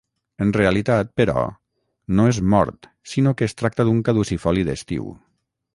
En realitat però, no és mort sinó que es tracta d'un caducifoli d'estiu.